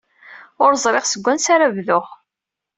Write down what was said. Ur ẓriɣ seg wansi ara bduɣ.